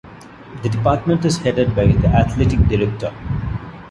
The department is headed by the Athletic Director.